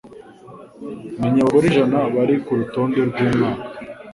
Menya abagore ijana bari ku rutonde rw'umwaka